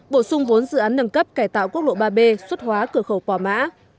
bổ sung vốn dự án nâng cấp cải tạo quốc lộ ba b xuất hóa cửa khẩu quả mã